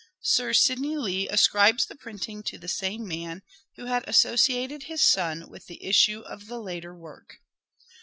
Sir Sidney Lee ascribes the printing to the same man, who had associated his son with the issue of the later work.